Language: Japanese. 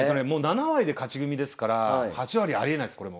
もう７割で勝ち組ですから８割ありえないです